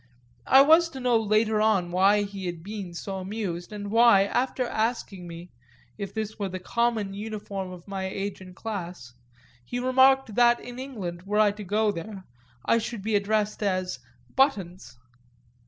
I was to know later on why he had been so amused and why, after asking me if this were the common uniform of my age and class, he remarked that in England, were I to go there, I should be addressed as "Buttons."